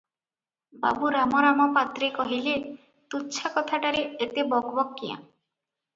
ବାବୁ ରାମରାମ ପାତ୍ରେ କହିଲେ- ତୁଚ୍ଛା କଥାଟାରେ ଏତେ ବକ୍ ବକ୍ କ୍ୟାଁ?